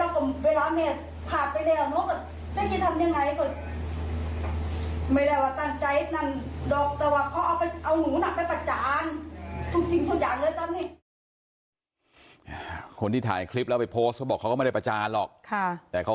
ก็ไม่คิดว่าจะเขาจะมาทำแบบนี้เขาจะมาประจานแบบนี้